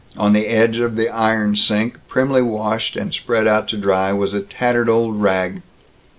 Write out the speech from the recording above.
On the edge of the iron sink primly washed and spread out to dry, was a tattered old rag.